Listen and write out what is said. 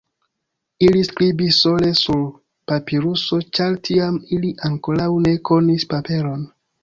Ili skribis sole sur papiruso, ĉar tiam ili ankoraŭ ne konis paperon.